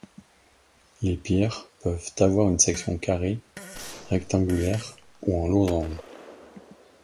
Les pierres peuvent avoir une section carrée, rectangulaire ou en losange.